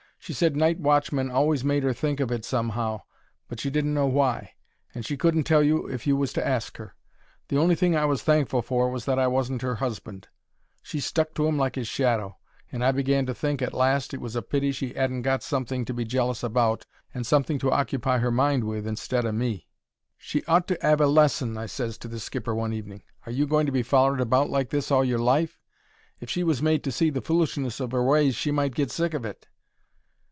She said night watchmen always made 'er think of it somehow, but she didn't know why, and she couldn't tell you if you was to ask her. The only thing I was thankful for was that I wasn't 'er husband. She stuck to 'im like his shadow, and I began to think at last it was a pity she 'adn't got some thing to be jealous about and something to occupy her mind with instead o' me. "She ought to 'ave a lesson," I ses to the skipper one evening. "Are you going to be follered about like this all your life? If she was made to see the foolishness of 'er ways she might get sick of it."